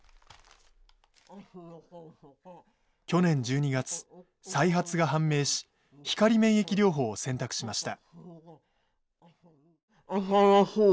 去年１２月再発が判明し光免疫療法を選択しました。